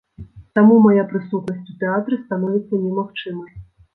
Таму мая прысутнасць у тэатры становіцца немагчымай.